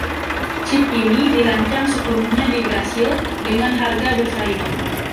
Cip ini dirancang sepenuhnya di Brasil dengan harga bersaing.